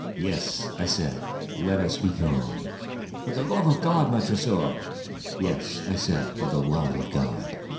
"Yes," I said, "let us be gone." "For the love of God, Montressor!" "Yes," I said, "for the love of God!"